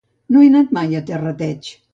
No he anat mai a Terrateig.